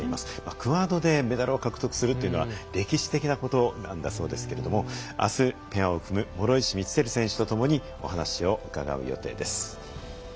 クアードでメダルを獲得するというのは歴史的なことなんだそうですけれどもあすペアを組む諸石光照選手とともにお話を伺う予定です。